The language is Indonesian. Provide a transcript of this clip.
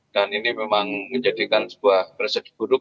dan ini memang menjadikan sebuah prosedur buruk